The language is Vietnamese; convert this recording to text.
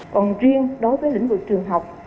còn riêng đối với lĩnh vực trường học